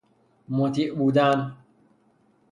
مطیع بودن